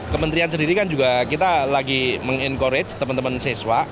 kementerian sendiri kan juga kita lagi meng encourage teman teman siswa